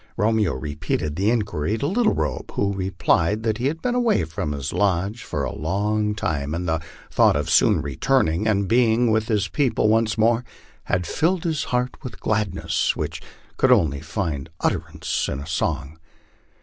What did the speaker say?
Romeo repeated the inquiry to Little Robe, who replied that he had been away from his lodge for a long time, and the thought of soon returning, and of being with his people once more, had filled his heart with a gladness which could only find utterance in song.